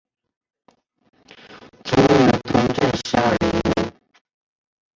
卒于同治十二年。